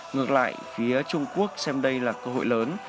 ngược lại phía trung quốc xem đây là cơ hội lớn